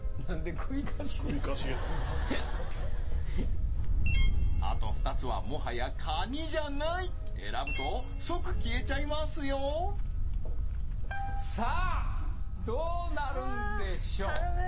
首かしげたあと２つはもはやカニじゃない選ぶと即消えちゃいますよさあどうなるんでしょう？